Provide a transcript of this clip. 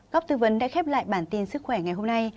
góc tư vấn đã khép lại bản tin sức khỏe ngày hôm nay